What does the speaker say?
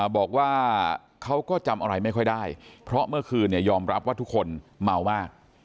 บอกว่าเขาก็จำอะไรไม่ค่อยได้เพราะเมื่อคืนยอมรับว่าทุกคนเมามาก